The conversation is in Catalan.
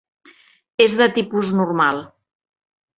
És de tipus normal.